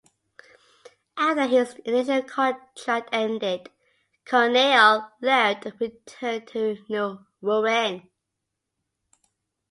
After his initial contract ended, Corneille left and returned to Rouen.